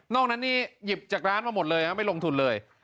นั้นนี่หยิบจากร้านมาหมดเลยไม่ลงทุนเลย